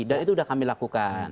dan itu sudah kami lakukan